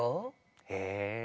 へえ。